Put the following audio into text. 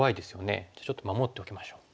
じゃあちょっと守っておきましょう。